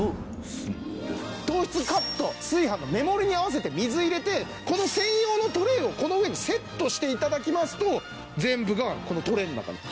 糖質カット炊飯の目盛りに合わせて水入れてこの専用のトレーをこの上にセットして頂きますと全部がこのトレーの中に。